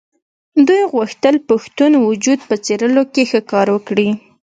دوی غوښتل پښتون وجود په څېرلو کې ښه کار وکړي.